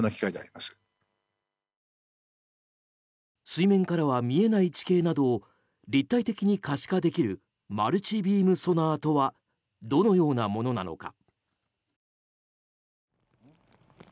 水面からは見えない地形などを立体的に可視化できるマルチビームソナーとはどのようなものなのか。